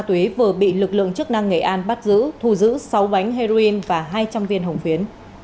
tuỷ vừa bị lực lượng chức năng nghệ an bắt giữ thù giữ sáu bánh heroin và hai trăm linh viên hồng phía